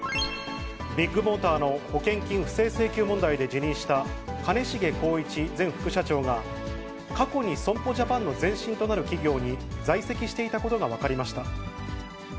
ビッグモーターの保険金不正請求問題で辞任した兼重宏一前副社長が、過去に損保ジャパンの前身となる企業に在籍していたことが分かりました。